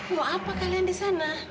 mau apa kalian disana